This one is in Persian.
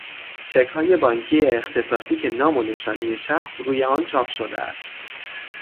چکهای بانکی اختصاصی که نام و نشانی شخص روی آن چاپ شده است